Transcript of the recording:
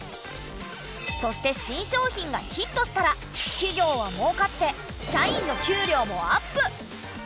そして新商品がヒットしたら企業は儲かって社員の給料もアップ！